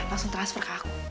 langsung transfer ke aku